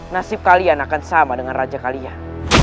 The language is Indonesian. nasib kalian akan sama dengan raja kalian